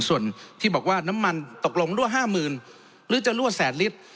ส่วนที่บอกว่าน้ำมันตกลงรั่ว๕๐๐๐หรือจะรั่วแสนลิตร